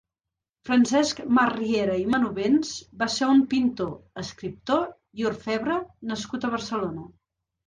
Francesc Masriera i Manovens va ser un pintor, escriptor i orfebre nascut a Barcelona.